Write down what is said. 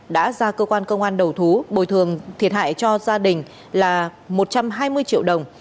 đã ra cơ quan công an đầu thú bồi thường thiệt hại cho gia đình là một trăm hai mươi triệu đồng